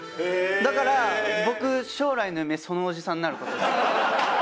だから僕将来の夢そのおじさんになる事ですね。